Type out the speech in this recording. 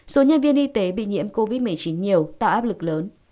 số nhân viên y tế bị nhiễm covid một mươi chín nhiều tạo áp lực lớn